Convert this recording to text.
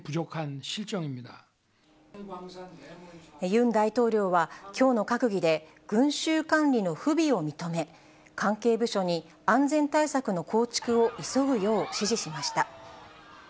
ユン大統領は、きょうの閣議で、群衆管理の不備を認め、関係部署に安全対策の構築を急ぐよう指示しました。